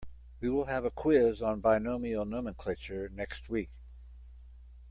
We will have a quiz on binomial nomenclature next week.